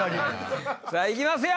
さぁ行きますよ！